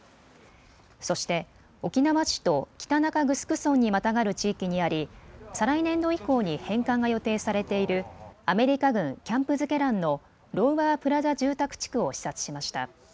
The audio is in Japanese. そして沖縄市と北中城村にまたがる地域にあり再来年度以降に返還が予定されているアメリカ軍キャンプ瑞慶覧のロウワー・プラザ住宅地区を視察しました。